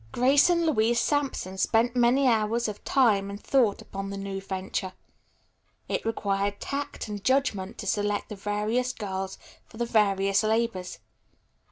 Grace and Louise Sampson spent many hours of time and thought upon the new venture. It required tact and judgment to select the various girls for the various labors.